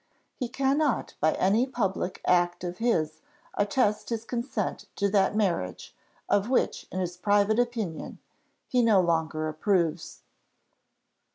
He cannot by any public act of his attest his consent to that marriage, of which, in his private opinion, he no longer approves."